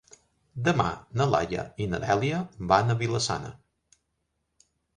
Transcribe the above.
Demà na Laia i na Dèlia van a Vila-sana.